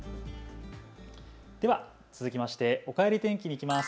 では続きまして、おかえり天気にいきます。